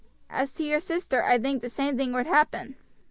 As to your sister, I think the same thing would happen.